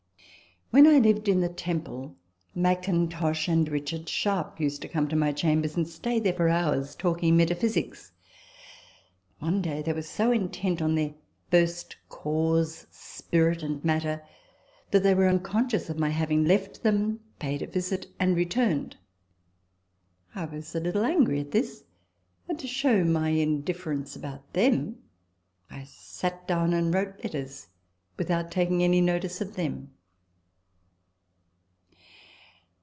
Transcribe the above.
When I lived in the Temple, Mackintosh and Richard Sharp used to come to my chambers, and stay there for hours, talking metaphysics. One day they were so intent on their " first cause," 154 RECOLLECTIONS OF THE ' spirit," and " matter," that they were unconscious of my having left them, paid a visit, and returned ! I was a little angry at this, and, to show my indiffer ence about them, I sat down and wrote letters, without taking any notice of them.